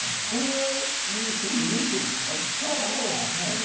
それはああそうですね